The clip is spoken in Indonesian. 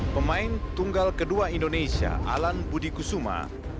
pemain tunggal kedua indonesia alan budi kusuma